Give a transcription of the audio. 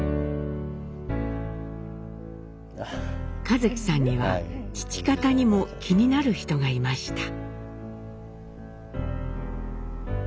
一輝さんには父方にも気になる人がいました。